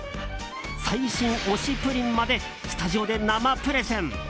最新推しプリンまでスタジオで生プレゼン。